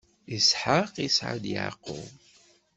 Isḥaq isɛa-d Yeɛqub.